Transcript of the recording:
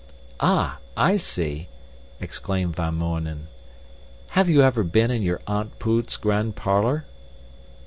"Ah, I see," exclaimed Van Mounen. "Have you ever been in your Aunt Poot's grand parlor?"